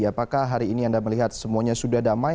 apakah hari ini anda melihat semuanya sudah damai